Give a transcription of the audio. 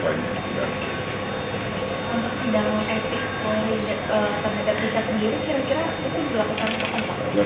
pak raja bicak sendiri kira kira itu berapa tahun